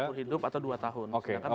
seumur hidup atau dua tahun